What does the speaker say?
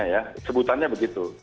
dulu ya sebutannya begitu